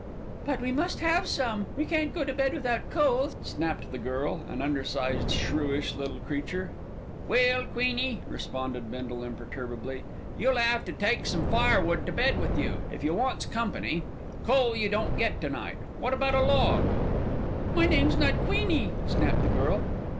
"But we must have some, we can't go to bed without coal," snapped the girl, an undersized, shrewish little creature. "Well, Queenie," responded Bindle imperturbably, "you'll 'ave to take some firewood to bed with you, if you wants company; coal you don't get to night. Wot about a log?" "My name's not 'Queenie,'" snapped the girl.